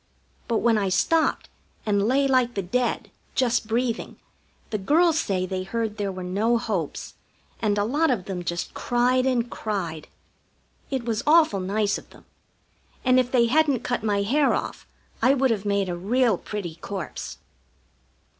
But when I stopped and lay like the dead, just breathing, the girls say they heard there were no hopes, and a lot of them just cried and cried. It was awful nice of them, and if they hadn't cut my hair off I would have made a real pretty corpse.